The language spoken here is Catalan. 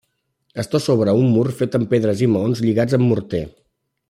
Està sobre un mur fet amb pedres i maons lligats amb morter.